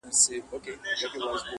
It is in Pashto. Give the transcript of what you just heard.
ور سره ښکلی موټر وو نازولی وو د پلار-